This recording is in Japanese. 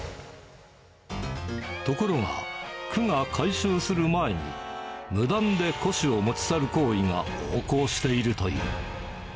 ところが、区が回収する前に、無断で古紙を持ち去る行為が横行しているという。